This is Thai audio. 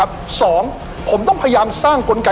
อัศวินตรีอัศวินตรี